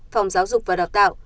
phòng giáo dục và đào tạo